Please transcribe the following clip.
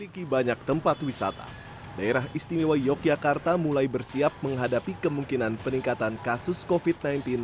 ketua satgas penanganan covid sembilan belas